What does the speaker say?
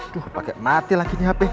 duh pake mati lagi nih hp